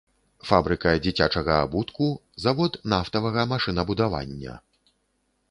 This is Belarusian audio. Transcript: Фабрыка дзіцячага абутку, завод нафтавага машынабудавання.